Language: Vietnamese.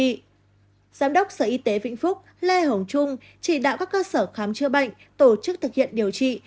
giám đốc sở y tế vĩnh phúc lê hồng trung chỉ đạo các cơ sở khám chữa bệnh tổ chức thực hiện điều trị